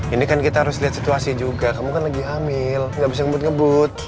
ini kan kita harus lihat situasi juga kamu kan lagi hamil nggak bisa ngebut ngebut